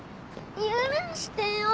許してよ！